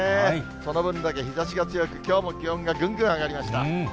その分だけ日ざしが強く、きょうも気温がぐんぐん上がりました。